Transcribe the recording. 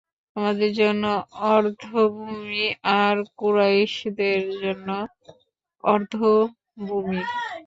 আমাদের জন্য অর্ধ-ভূমি আর কুরাইশের জন্য অর্ধ-ভূমি।